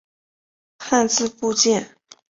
汉字部件。